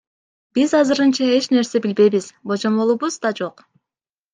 Биз азырынча эч нерсе билбейбиз, божомолубуз да жок.